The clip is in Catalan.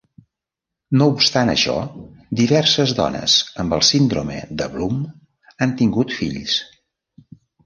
No obstant això, diverses dones amb la síndrome de Bloom han tingut fills.